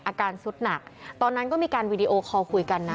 อาการสุดหนักตอนนั้นก็มีการวีดีโอคอลคุยกันนะ